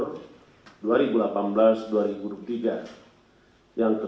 tk kepala bpkad kabupaten bogor